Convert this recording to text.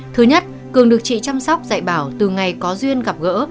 thứ nhất cường được chị chăm sóc dạy bảo từ ngày có duyên gặp gỡ